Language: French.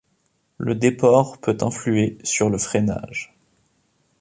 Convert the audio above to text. Le déport peut influer sur le freinage.